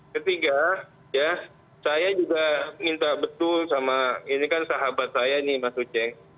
ketiga ya saya juga minta betul sama ini kan sahabat saya nih mas uceng